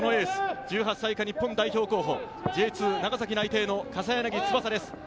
そのエース、１８歳以下日本代表候補、Ｊ２長崎内定の笠柳翼です。